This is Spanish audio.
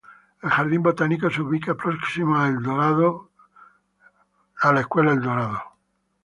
El jardín botánico se ubica próximo a "El Dorado High School".